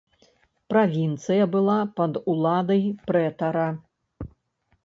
Правінцыя была пад уладай прэтара.